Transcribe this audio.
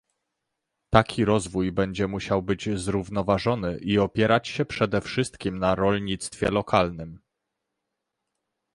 Taki rozwój będzie musiał być zrównoważony i opierać się przede wszystkim na rolnictwie lokalnym